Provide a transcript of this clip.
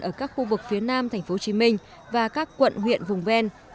ở các khu vực phía nam tp hcm và các quận huyện vùng ven